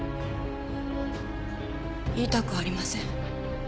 言いたくありません。